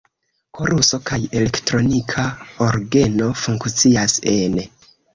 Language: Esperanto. Koruso kaj elektronika orgeno funkcias ene.